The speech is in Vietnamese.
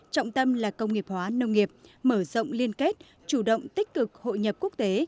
trọng tâm là công nghiệp hóa nông nghiệp mở rộng liên kết chủ động tích cực hội nhập quốc tế